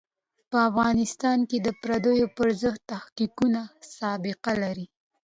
په افغانستان کې د پرديو پر ضد تحریکونه سابقه لري.